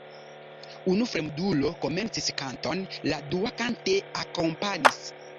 Unu fremdulo komencis kanton, la dua kante akompanis.